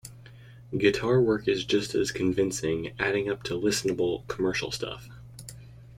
Guitar work is just as convincing, adding up to listenable, commercial stuff.